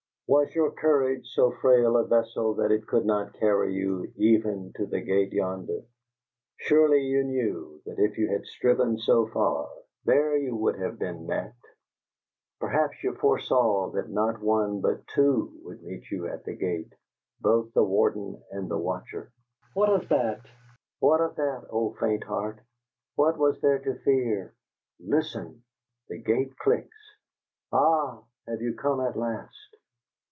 Was your courage so frail a vessel that it could not carry you even to the gate yonder? Surely you knew that if you had striven so far, there you would have been met! Perhaps you foresaw that not one, but two, would meet you at the gate, both the warden and the watcher. What of that? What of that, O faint heart? What was there to fear? Listen! The gate clicks. Ah, have you come at last?